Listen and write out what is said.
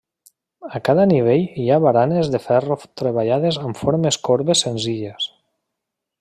A cada nivell hi ha baranes de ferro treballades amb formes corbes senzilles.